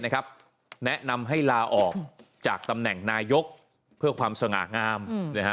แนะนำให้ลาออกจากตำแหน่งนายกเพื่อความสง่างาม